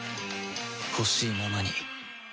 ほしいままに